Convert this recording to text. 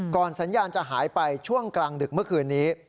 สัญญาณจะหายไปช่วงกลางดึกเมื่อคืนนี้